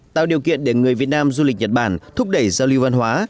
tạo điều kiện để người việt nam du lịch nhật bản thúc đẩy giao lưu văn hóa